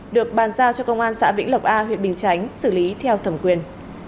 được bàn giao cho công an xã vĩnh lộc a huyện bình chánh xử lý theo thẩm quyền